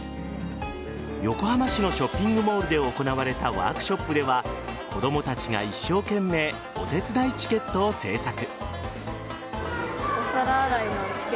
横浜市のショッピングモールで行われたワークショップでは子供たちが一生懸命お手伝いチケットを制作。